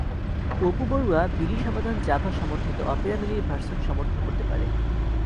অপু বড়ুয়া বিডিসমাধান জাভা সমর্থিত অপেরা মিনির ভার্সন সমর্থন করতে পারে।